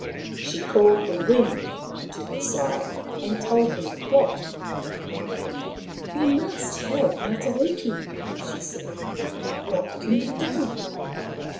She called the Wind to her side and told him The Star Hunt 123 the plot. " We must help Matariki," she said. " What can be done